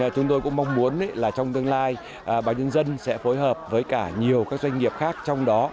chúng tôi cũng mong muốn là trong tương lai báo nhân dân sẽ phối hợp với cả nhiều các doanh nghiệp khác trong đó